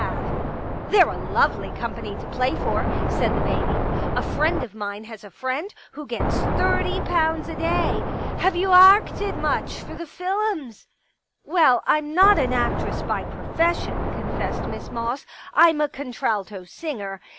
i66 I Pictures " They're a lovely company to play for," said the baby. " A friend of mine has a friend who gets thirty pounds a day. ... Have you arcted much for the^Z lums ?"*' Well, I'm not an actress by profession," con fessed Miss Moss. '* I'm a contralto singer.